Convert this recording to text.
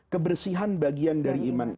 kebersihan bagian dari iman